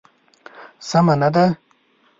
سمه نه ده.